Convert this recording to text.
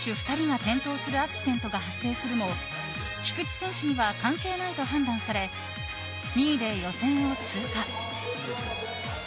２人が転倒するアクシデントが発生するも菊池選手には関係ないと判断され２位で予選を通過。